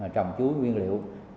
trồng chuối nguyên liệu